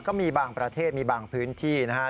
ก็มีบางประเทศมีบางพื้นที่นะครับ